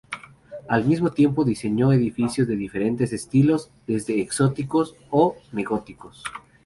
Al mismo tiempo diseñó edificios de diferentes estilos desde exóticos o neogóticos.